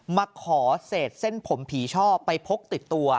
มาขอเศษเส้นผมผีช่อไปพกติดตัว